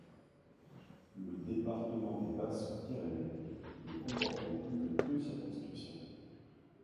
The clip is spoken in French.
Le département des Basses-Pyrénées ne comportait plus que deux circonscriptions.